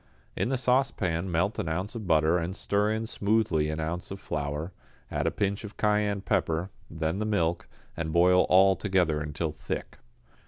In the saucepan melt an ounce of butter and stir in smoothly an ounce of flour, add a pinch of cayenne pepper, then the milk, and boil all together until thick.